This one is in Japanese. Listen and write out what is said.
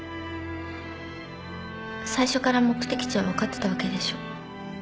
最初から目的地は分かってたわけでしょ？